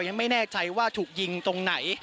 ไม่ทราบว่าตอนนี้มีการถูกยิงด้วยหรือเปล่านะครับ